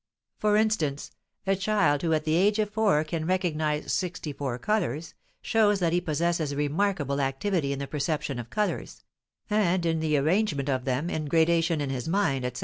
For instance, a child who at the age of four can recognize sixty four colors, shows that he possesses remarkable activity in the perception of colors, and in the arrangement of them in gradation in his mind, etc.